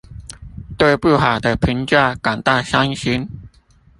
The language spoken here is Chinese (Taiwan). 對不好的評價感到傷心